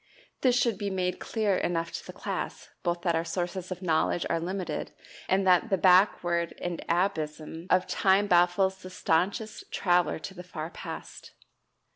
This should be made clear enough to the class both that our sources of knowledge are limited, and that the "backward and abysm" of time baffles the staunchest traveler to the far past.